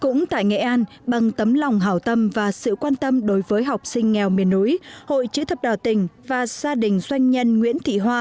cũng tại nghệ an bằng tấm lòng hảo tâm và sự quan tâm đối với học sinh nghèo miền núi hội chữ thập đỏ tỉnh và gia đình doanh nhân nguyễn thị hoa